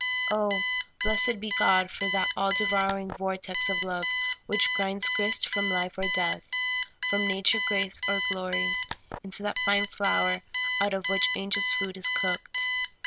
Oh, blessed be God for that all devouring vortex of love which grinds grist from life or death, from na ture, grace, or glory, into that fine flour out of which angels' food is cooked